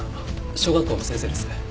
小学校の先生です。